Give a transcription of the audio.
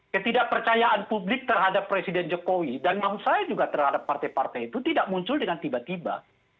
ketidakpercayaan publik terhadap presiden jokowi dan maksud saya juga terhadap partai partai itu tidak muncul dengan tiba tiba